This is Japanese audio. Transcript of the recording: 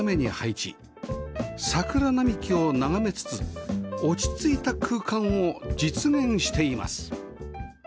桜並木を眺めつつ落ち着いた空間を実現しています